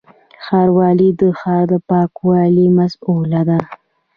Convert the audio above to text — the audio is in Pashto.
ښاروالي د ښار د پاکوالي مسووله ده